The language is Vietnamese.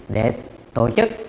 để tổ chức